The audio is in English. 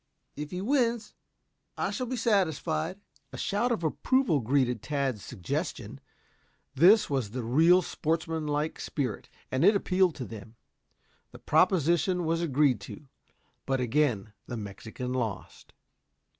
If he wins I shall be satisfied." A shout of approval greeted Tad's suggestion. This was the real sportsman like spirit, and it appealed to them. The proposition was agreed to. But again the Mexican lost.